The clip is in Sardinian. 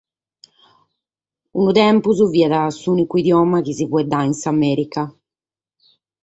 Unu tempus fiat s’ùnicu idioma chi si faeddaiat in s'Amèrica.